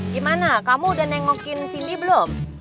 gimana kamu udah nengokin cindy belum